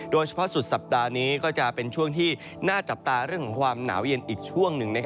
สุดสัปดาห์นี้ก็จะเป็นช่วงที่น่าจับตาเรื่องของความหนาวเย็นอีกช่วงหนึ่ง